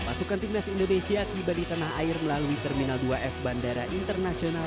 pasukan timnas indonesia tiba di tanah air melalui terminal dua f bandara internasional